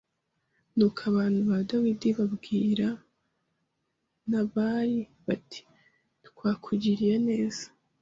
Nuko abantu ba Dawidi babwira Nabali bati twakugiriye neza